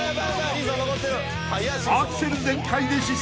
［アクセル全開で疾走］